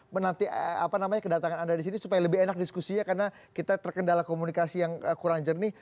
menanti apa namanya kedatangan anda di sini supaya lebih enak diskusinya karena kita terkendala komunikasi yang kurang jernih